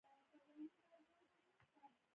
سخت کارونه ټول د غلامانو په غاړه شول.